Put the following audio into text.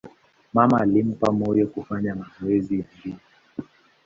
Mama alimpa moyo kufanya mazoezi ya mbio.